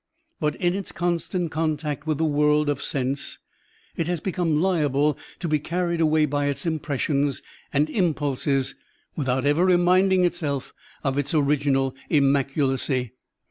But in its constant contact with the world of sense, it has become liable to be carried away by its impressions and impulses without ever reminding itself of its original immaculacy.